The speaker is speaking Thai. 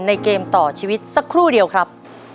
เกมต่อชีวิตสักครู่เดียวครับ